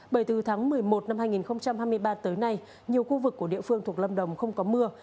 bởi từ tháng một mươi một năm hai nghìn hai mươi ba tới nay nhiều khu vực của địa phương thuộc lâm đồng không có mưa